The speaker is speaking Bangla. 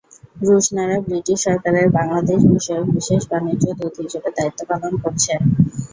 রুশনারা ব্রিটিশ সরকারের বাংলাদেশবিষয়ক বিশেষ বাণিজ্য দূত হিসেবে দায়িত্ব পালন করছেন।